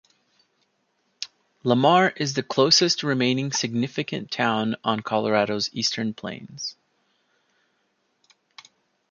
Lamar is the closest remaining "significant" town on Colorado's eastern plains.